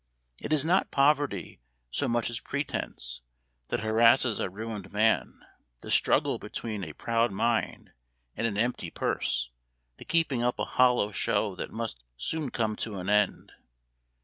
It is not poverty, so much as pretence, that harasses a ruined man the struggle between a proud mind and an empty purse the keeping up a hollow show that must soon come to an end.